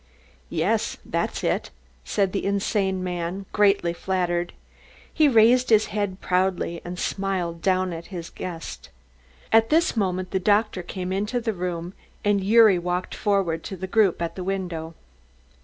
"Yes, that's it," said the insane man greatly flattered. He raised his head proudly and smiled down at his guest. At this moment the doctor came into the room and Gyuri walked forward to the group at the window.